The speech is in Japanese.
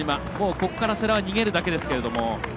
ここから世羅は逃げるだけですが。